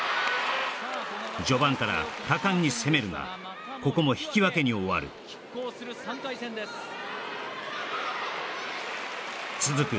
序盤から果敢に攻めるがここも引き分けに終わる続く